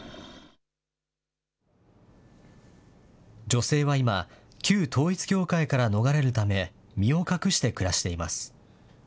女性は今、旧統一教会から逃れるため、身を隠して暮らしています。